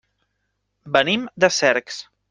Venim de Cercs.